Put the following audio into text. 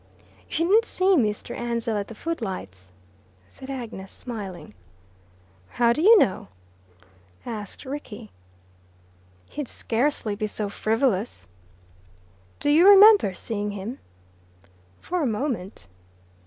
"You didn't see Mr. Ansell at the Foot Lights," said Agnes, smiling. "How do you know?" asked Rickie. "He'd scarcely be so frivolous." "Do you remember seeing him?" "For a moment."